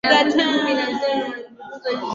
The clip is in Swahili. tuna mfumo wa utawala ambao unaegemea katika mtu moja